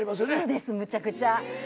通ですむちゃくちゃ。